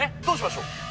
どうしましょう。